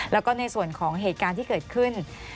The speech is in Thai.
แล้วก็ในส่วนของเหตุการณ์ที่เกิดขึ้น